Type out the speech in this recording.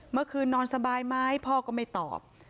เมื่อคืนนอนสบายไหมพ่อก็ไม่ตอบ